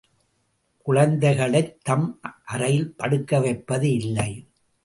குழந்தைகளைத் தம் அறையில் படுக்கவைப்பது இல்லை.